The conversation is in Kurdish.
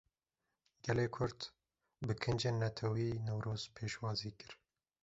Gelê Kurd, bi kincên Netewî Newroz pêşwazî kir